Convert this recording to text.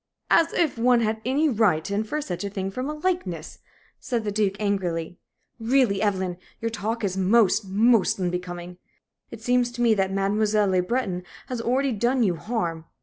"As if one had any right to infer such a thing from a likeness!" said the Duke, angrily. "Really, Evelyn, your talk is most most unbecoming. It seems to me that Mademoiselle Le Breton has already done you harm.